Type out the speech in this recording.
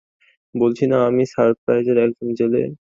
বলছি না, আমি সাইপ্রাসের একজন জেলে।